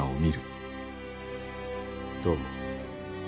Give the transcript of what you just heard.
どう思う？